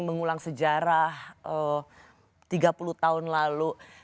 mengulang sejarah tiga puluh tahun lalu